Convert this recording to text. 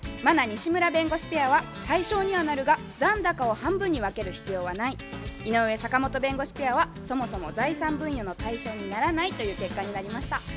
茉奈・西村弁護士ペアは「対象にはなるが残高を半分に分ける必要はない」井上・坂本弁護士ペアは「そもそも財産分与の対象にならない」という結果になりました。